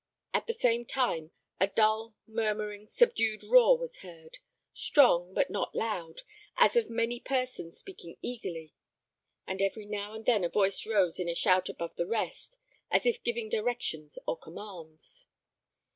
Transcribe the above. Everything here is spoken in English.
At the same time, a dull, murmuring, subdued roar was heard, strong but not loud, as of many persons speaking eagerly; and every now and then a voice rose in a shout above the rest, as if giving directions or commands.